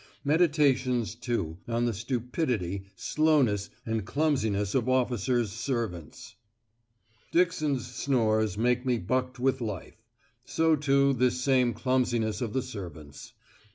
Meditations, too, on the stupidity, slowness, and clumsiness of officers' servants." Dixon's snores make me bucked with life; so, too, this same clumsiness of the servants.